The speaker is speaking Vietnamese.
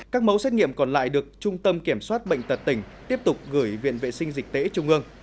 các mẫu xét nghiệm còn lại được trung tâm kiểm soát bệnh tật tỉnh tiếp tục gửi viện vệ sinh dịch tễ trung ương